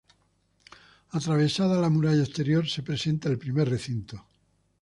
Atravesada la muralla exterior, se presenta el primer recinto.